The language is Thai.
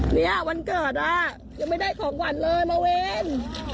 เนี่ยวันเกิดอ่ะยังไม่ได้ของขวัญเลยมาเวร